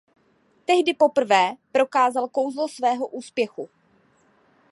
Tehdy poprvé prokázal kouzlo svého úspěchu.